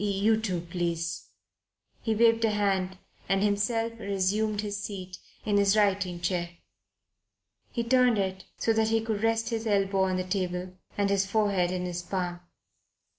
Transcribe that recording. You too, please," he waved a hand, and himself resumed his seat in his writing chair. He turned it so that he could rest his elbow on his table and his forehead in his palm.